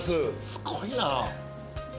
すごいなぁ。